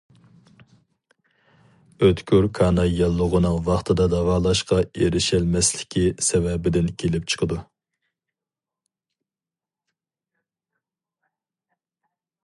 ئۆتكۈر كاناي ياللۇغىنىڭ ۋاقتىدا داۋالاشقا ئېرىشەلمەسلىكى سەۋەبىدىن كېلىپ چىقىدۇ.